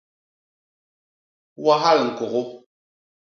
Wahal ñkôgô.